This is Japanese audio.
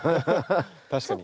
確かに。